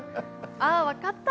あー、分かった。